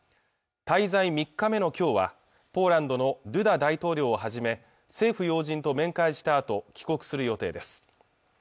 滞在３日目の今日はポーランドのドゥダ大統領をはじめ政府要人と面会したあと帰国する予定です